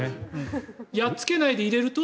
やっつけないで入れると？